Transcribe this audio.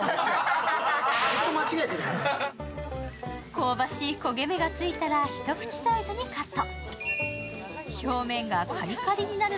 香ばしい焦げ目がついたら一口サイズにカット。